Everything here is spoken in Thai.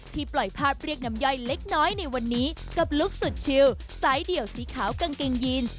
ปล่อยภาพเรียกน้ำย่อยเล็กน้อยในวันนี้กับลุคสุดชิลสายเดี่ยวสีขาวกางเกงยีน